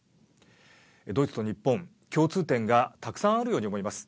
ドイツと日本、共通点がたくさんあるように思います。